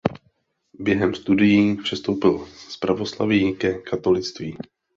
Během studií přestoupil z pravoslaví ke katolictví.